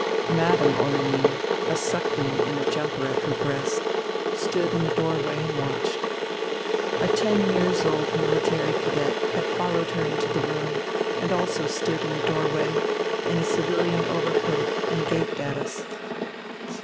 Madame Olenin, a suckling in a jumper at her breast, stood in the doorway and watched. A ten years old military cadet had followed her into the room and also stood in the doorway, in a civilian overcoat, and gaped at us.